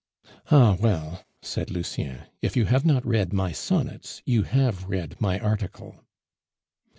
"Ah well," said Lucien, "if you have not read my sonnets, you have read my article."